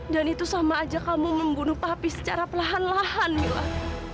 dan itu sama aja kamu membunuh papi secara perlahan lahan kamilah